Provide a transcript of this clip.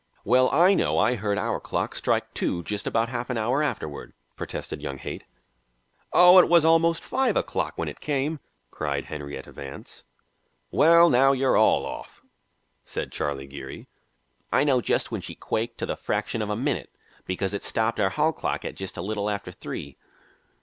"Well, I know I heard our clock strike two just about half an hour afterward," protested young Haight. "Oh, it was almost five o'clock when it came," cried Henrietta Vance. "Well, now, you're all off," said Charlie Geary. "I know just when she quaked to the fraction of a minute, because it stopped our hall clock at just a little after three."